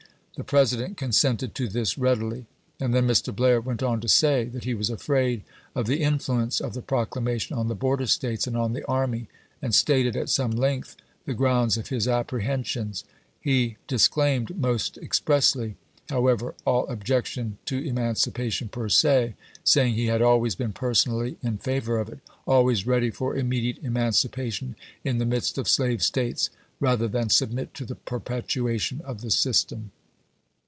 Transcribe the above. ^ The President consented to this readily. And then Mr. Blair went on to say that he was afraid of the influence of the proclamation on the border States and on the army, and stated, at some length, the grounds of his apprehensions. He disclaimed most expressly, however, all objection to emancipation per se, saying he had always been personally . in favor of it — always ready for immediate emancipation •• Life of s. in the midst of slave States, rather than submit to the 'p. ^ r* perpetuation of the system.